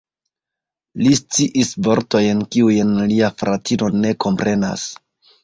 Li sciis vortojn, kiujn lia fratino ne komprenas.